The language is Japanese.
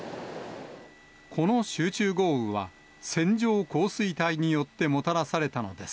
この集中豪雨は、線状降水帯によってもたらされたのです。